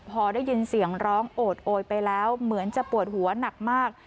พอได้ยินเสียงร้องโอดโอยไปแล้วเหมือนจะปวดหัวหนักมาก